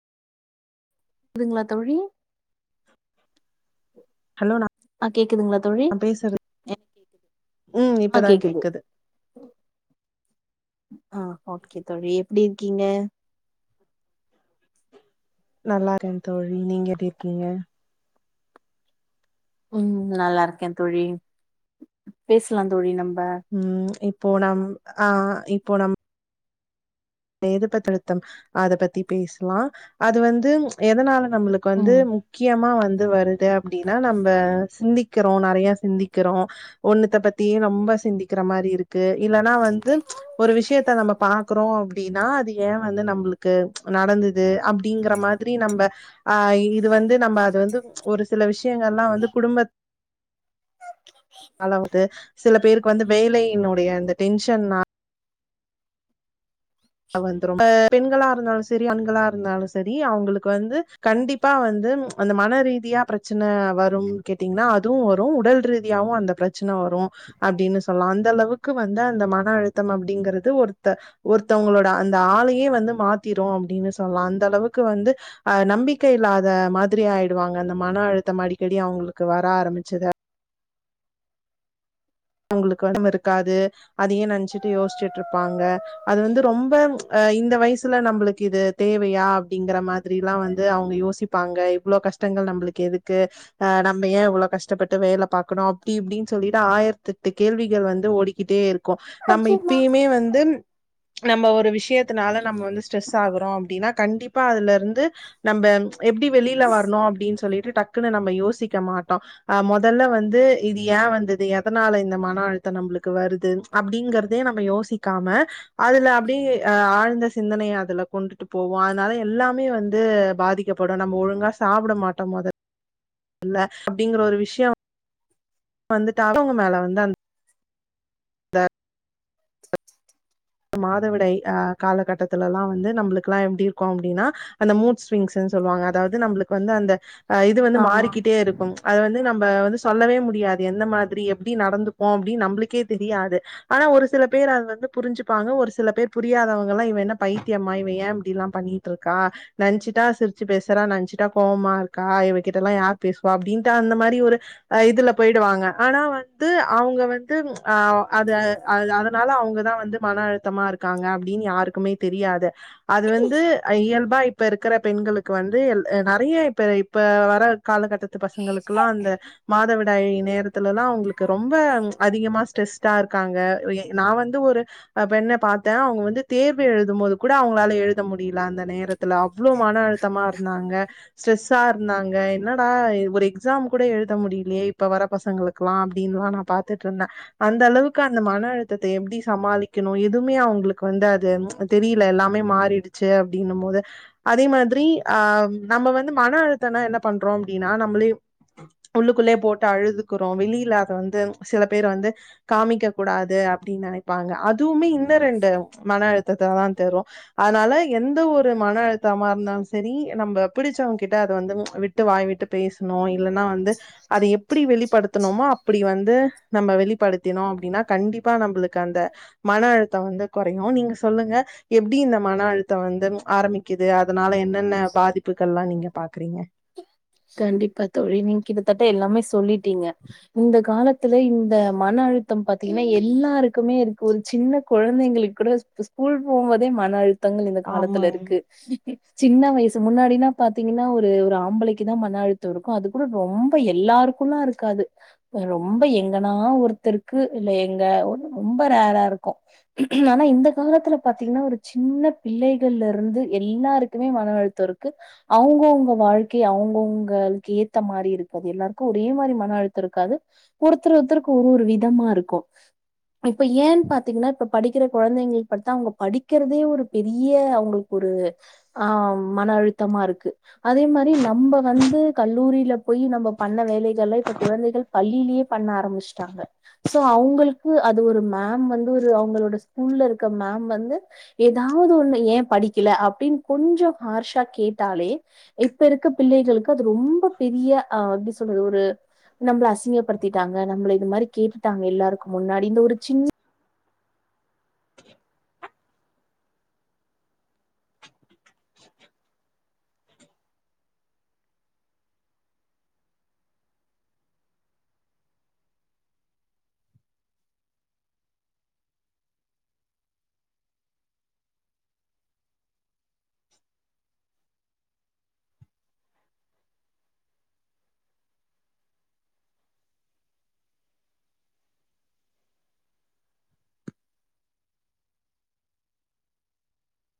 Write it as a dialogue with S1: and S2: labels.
S1: துங்களா தோழி
S2: ஹலோ நா
S1: ஆ கேக்குதுங்களா தோழி
S2: பேசுறது
S1: ஏ
S2: ம்
S1: ஆ
S2: இப்பதா
S1: கேக்குது ஆ ஓகே தோழி எப்டி இருக்கீங்க
S2: நல்லா இருகே தோழி நீங்க எப்டி இருக்கீங்க
S1: ம் நல்லா இருக்கே தோழி பேசலாந்தோழி நம்ப
S2: ம் இப்போ நம் ஆ இப்போ நம் னே எது பத்தின தம் அத பத்தி பேசலா அது வந்து எதனால நம்ளுக்கு வந்து
S1: ம்
S2: முக்கியமா வந்து வருது அப்டின்னா நம்ப சிந்திக்கிறோ நெறயா சிந்திக்கிறோ ஒன்னுத்த பத்தியே ரொம்ப சிந்திக்கிற மாரி இருக்கு இல்லன்னா வந்து ஒரு விஷயத்த நம்ம பாக்குறோ அப்டின்னா அது ஏ வந்து நம்ளுக்கு நடந்தது அப்படிங்கற மாதிரி நம்ப ஆ இது வந்து நம்ம அது வந்து ஒரு சில விஷயங்கள்லா வந்து குடும்ப அளவுது சில பேருக்கு வந்து வேலையினுடைய அந்த டென்ஷன் ஆ அ வந்துரும் அ பெண்களா இருந்தாலு சரி ஆண்களா இருந்தாலு சரி அவங்ளுக்கு வந்து கண்டிப் பா வந்து அந்த மன ரீதியா பிரச்சன வரும் கேட்டீங்ன்னா அதுவு வரு உடல் ரீதியாவு அந்த பிரச் பிரச்சன வரு அப்டின்னு சொல்லா அந்த அளவுக்கு வந்து அந்த மன அழுத்தம் அப்படிங்குறது ஒருத்த ஒரு தவங்களோட அந்த ஆளயே வந்து மாத்திரு அப்படின்னு சொல்லா அந்த அளவுக்கு வந்து அ நம்பிக்கை இல்லாத மாதிரி ஆயிடுவாங்க அந்த மன அழுத்தம் அடிக்கடி அவங்களுக்கு வர ஆரம்பிச்சது அவங்களுக்கு [inaudible] இருக்காது அதையே நெனச்சிட்டு யோசிச்சிட்டு இருப்பாங்க அது வந்து ரொம்ப அஹ் இந்த வயசுல நம்மளுக்கு இது தேவையா அப்டிங்கற மாதிரில்லா வந்து அவங்க யோசி ப்பாங்க இவ்ளோ கஷ்டங்கள் நம்மளுக்கு எதுக்கு ஆஹ் நம்ம ஏ இவ்ளோ கஷ்டப்பட்டு வேல பாக்கணு அப்டி இப்டின்னு சொல்லிட்டு ஆயிரத் தெட்டு கேள்விகள் வந்து ஓடிக்கிட்டே இருக்கு நம்ம இப்பயுமே வந்து நம்ம ஒரு விஷயத் தனால நம்ம வந்து ஸ்ட்ரெஸ் ஆகுறோ அப்டின்னா கண்டிப்பா அதுல இருந்து நம்ம எப்டி வெளில வரணு அப்டின்னு சொல்லிட்டு டக் க்குனு நம்ம யோசிக்க மாட்டோ மொதல்ல வந்து இது ஏ வந்தது எதனால இந்த மன அழுத்தம் நம்மளுக்கு வருது அப்டிங்கறதே நம்ம யோசிக்காம அதுல அப்டியே அ ஆழ்ந்த சிந்தனைய அதுல கொண்டுட்டு போவோ அதனால எல்லாமே வந்து பாதிக் ப்படு நம்ம ஒழுங்கா சாப்பட மாட்டோ மொ [inaudible] தல்ல அப்டிங்கற ஒரு விஷ்யோ வந்துட்டு [unintelligible] மேல வந்து அந் த இந்த மாதவிடாய் அ காலகட்டத்துல லா வந்து நம்மளுக்குல்லா எப்டி இருக்கு அப்டின்னா அந்த மூட் ஸ்விங்ஸ்ன்னு சொல்லுவாங்க அதாவது நம்மளுக்கு வந்து அந்த அ இது வந்து
S1: ஆமா
S2: மாறிக்கிட்டே இருக் அத வந்து நம்ம வந்து சொல்லவே முடியாது எந்த மாதிரி எப்டி நடந்துப்போ அப்டின்னு நம்பளுக்கே தெரியாது ஆனா ஒரு சில பேர் அது வந்து புரிஞ்சு பாங்க ஒரு சில பேர் புரியாதவங்கல்லா இவ என்ன பைத்தியமா இவ ஏ இப்டி லா பண்ணிட்ருக்கா நென்ச்சிட்டா சிரிச்சு பேசுறா நென்ச்சிட்டா கோவமா இருக்கா இவகிட்டல்லா யார் பேசுவா அப்டின்ட்டு அந்த மாதிரி ஒரு இதுல போயிடுவாங்க ஆனா வந்து அவங்க வந்து ஆ அது அதனால அவங்கதா வந்து மன அழுத்தமா இருக்காங்க அப்டின்னு யாருக்குமே தெரியாது அது வந்து இயல்பா இப்ப இருக்கற பெண்களுக்கு வந்து நெறைய இப்ப இப்ப வர காலகட்டத்து பசங்களுக்குல்லா அந்த மாதவிடாயி நேரத்துலல்லா அவுங்களுக்கு ரொம்ப அதிகமா ஸ்ட்ரெஸ்ட்டா இருக்காங்க நா வந்து ஒரு அ பெண்ண பாத்த அவங்க வந்து தேர்வு எழுதும் போது கூட அவங்களால எழுத முடியல அந்த நேரத் துல அவ்ளோ மன அழுத்தமா இருந்தாங்க ஸ்ட்ரெஸ்சா இருந்தாங்க என்னடா ஒரு எக்ஸாம் கூட எழுத முடியலையே இப்ப வர பசங்களுக்குல்லா அப்டின்னுல்லா நா பாத்துட்டு இருந்த அந்த அளவுக்கு அந்த மன அழுத்தத்தை எப்டி சமாளி க்கணு எதுமே அவுங்களுக்கு வந்து அது தெரியல எல்லாமே மாறிடுச்சு அப்டின்னும் போது அதே மாதிரி ஆ நம்ம வந்து மன அழுத்தனா என்ன பண்றோ அப்டின்னா நம்ளீவ் உள்ளுக்குள்ளேயே போட்டு அழுதுக்குறோ வெளியில அத வந்து சில பேர் வந்து காமிக்க கூடாது அப்டின்னு நெனைப்பாங்க அதுவுமே இன்ன ரெண்டு மன அழுத்தத்த தா தரு அதனால எந்த ஒரு மன அழுத்தமா இருந்தாலு சரி நம்ம பிடிச்சவங்க கிட்ட அத வந்து விட்டு வாய் விட்டு பேசணு இல்லன்னா வந்து அத எப்டி வெளிப்படுத்தணுமோ அப்டி வந்து நம்ம வெளிப்படுத்தினோ அப்டின்னா கண்டிப்பா நம்மளுக்கு அந்த மன அழுத்தம் வந்து கொறையு நீங்க சொல்லுங்க எப்டி இந்த மன அழுத்தம் வந்து ஆரம்பிக்குது அதனால என்னென்ன பாதிப்புகள்லா நீங்க பாக்குறீங்க
S1: கண்டிப்பா தோழி நீங்க கிட்டத்தட்ட எல்லாமே சொல்லிட்டீங்க இந்த காலத்துல இந்த மன அழுத்தம் பாத்தீங்கன்னா எல்லாருக்குமே இருக்கு ஒரு சின்ன கொழந்தைங்களுக்கு கூட ஸ்கூல் போம்போதே மன அழு த்தங்கள் இந்த காலத்துல
S2: ஆமாங்க
S1: இருக்கு சின்ன வயசு முன்னாடினா பாத்தீங்கன்னா ஒரு ஒரு ஆம்பளை க்குதா மன அழுத்தோ இருக்கும் அது கூட ரொம்ப எல்லாருக்குல்லா இருக்காது ரொம்ப எங்கன்னா ஒருத்தருக்கு இல்ல எங்க ரொம்ப ரேரா இருக்கு ஆனா இந்த காலத்துல பாத்தீங்கன்னா ஒரு சின்ன பிள்ளைகள்ல இருந்து எல்லாருக்குமே மன அழுத் தோ இருக்கு அவுங்கவுங்க வாழ்க் அவங்கவுங்களுக்கு ஏத்த மாரி இருக்காது எல்லாருக்கு ஒரே மாரி மன அழுத்தோ இருக்காது ஒருத்தர் ஒருத்தர்க்கு ஒரு ஒரு விதமா இருக்கு இப்ப ஏன்னு பாத்தீங்கன்னா இப்ப படிக்கிற கொழந்தைங்களுக்கு பாத்தா அவங்க படிக்கிறதே ஒரு பெரிய அவுங்களுக்கு ஒரு ஆ மன அழுத்தமா இருக்கு அதே மாரி நம்ப வந்து கல்லூரியில போய் நம்ம பண்ண வேலைகள்லா இப்ப குழந்தைகள் பள்ளியிலயே பண்ண ஆரம்பிச்ட்டாங்க சோ அவுங்களுக்கு அது ஒரு மேம் வந்து ஒரு அவுங்களோட ஸ்கூல்ல இருக்க மேம் வந்து ஏதாவது ஒண்ணு ஏ படிக்கல அப்டின்னு கொஞ்சோ ஹார்ஷா கேட்டாலே இப்ப இருக்க பிள்ளைகளுக்கு அது ரொம்ப பெரிய ஆ எப்டி சொல்றது ஒரு நம்பள அசிங்கப்படுத்திட்டாங்க நம்பள இது மாரி கேட்டுட்டாங்க எல்லாருக்கு முன்னாடி இந்த ஒரு சின்ன